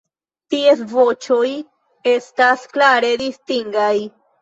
Ties voĉoj estas klare distingaj.